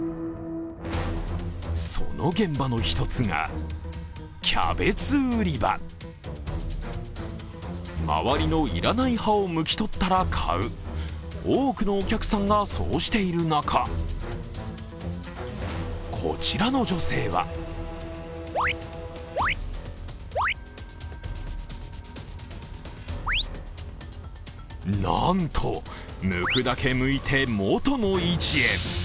その現場の一つが、キャベツ売り場周りの要らない葉をむき取ったら買う、多くのお客さんがそうしている中、こちらの女性はなんと、むくだけむいて元の位置へ。